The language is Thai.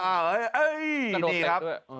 เฮ้ยนี่ครับ